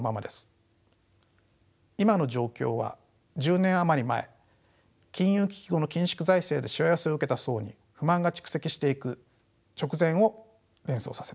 今の状況は１０年余り前金融危機後の緊縮財政でしわ寄せを受けた層に不満が蓄積していく直前を連想させます。